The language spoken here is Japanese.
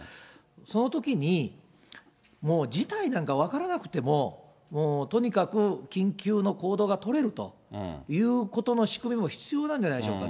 そのときに、もう事態なんか分からなくても、もうとにかく緊急の行動が取れるということの仕組みも必要なんじゃないでしょうか。